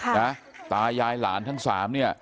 ค่ะย่ายหลานทั้งสาม